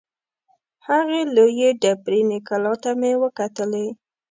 هغې لویې ډبریني کلا ته مې وکتلې.